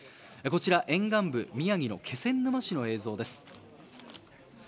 こちら沿岸部宮城の気仙沼市の映像です。